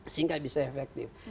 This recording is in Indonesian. sehingga bisa efektif